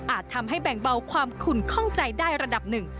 ทำให้แบ่งเบาความขุนข้องใจได้ระดับหนึ่ง